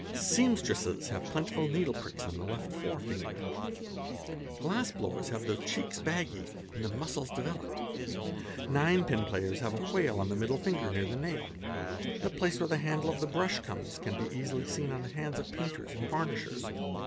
Seamstresses have plentiful needle pricks on the left fore ae glass blowers have the cheeks baggy and the muscles developed ; Nine pin players have a wale on the middle finger near the nail; the Bblace where the handle of the brush comes can be easily seen on the i) NR 1 MAAR ae hands of painters and varnishers.